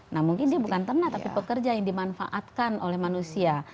nah mungkin dia bukan ternak tapi pekerja yang dimanfaatkan oleh manusia